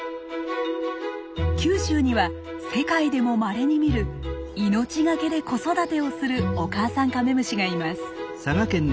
九州には世界でもまれに見る命懸けで子育てをするお母さんカメムシがいます。